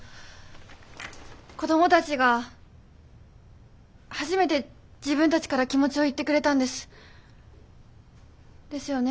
子供たちが初めて自分たちから気持ちを言ってくれたんです。ですよね？